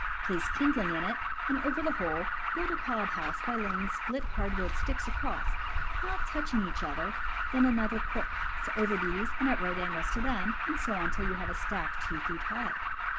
Place kindling in it, and over the hole build a cob house by laying split hardwood sticks across, not touching each other, then another course over these and at right angles to them, and so on till you have a stack two feet high.